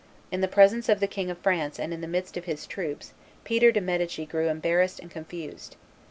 In the presence of the King of France and in the midst of his troops Peter de' Medici grew embarrassed and confused.